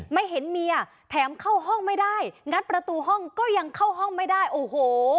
ไม่เห็นเมียแถมเข้าห้องไม่ได้งัดประตูห้องก็ยังเข้าห้องไม่ได้โอ้โห